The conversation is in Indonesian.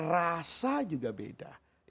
rasa juga beda